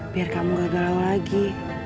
biar kamu gak galau lagi